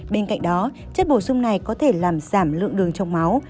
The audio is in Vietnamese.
bên cạnh đó chất bổ sung này có thể làm giảm lượng đường trong máu